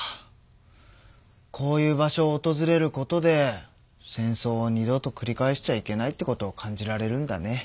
こういう場所をおとずれることで戦争を二度とくり返しちゃいけないってことを感じられるんだね。